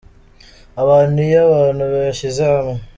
abantu Iyo abantu bishyize hamwe.